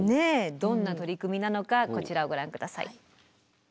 どんな取り組みなのかこちらをご覧下さい。